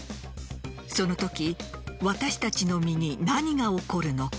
そのとき私たちの身に何が起こるのか。